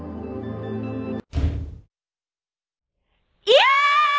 いや！